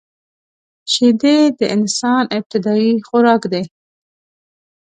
شیدې د انسان ابتدايي خوراک دی